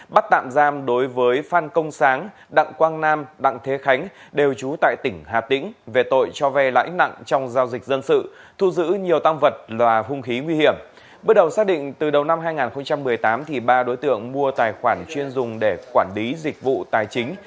bước đầu xác định từ đầu năm hai nghìn một mươi tám ba đối tượng mua tài khoản chuyên dùng để quản lý dịch vụ tài chính